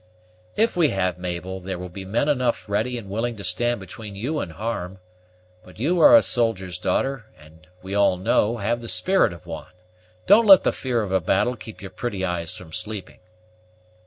"If we have, Mabel, there will be men enough ready and willing to stand between you and harm. But you are a soldier's daughter, and, we all know, have the spirit of one. Don't let the fear of a battle keep your pretty eyes from sleeping."